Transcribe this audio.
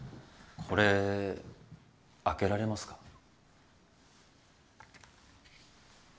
これ開けられますか？